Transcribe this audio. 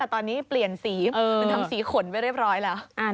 ตอนนี้เปลี่ยนสีมันทำสีขนไปเรียบร้อยแล้ว